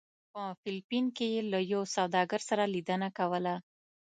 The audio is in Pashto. په فلپین کې یې له یو سوداګر سره لیدنه کوله.